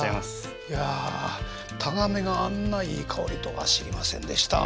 いやタガメがあんないい香りとは知りませんでした。